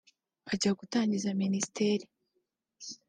Ajya gutangiza Minisiteri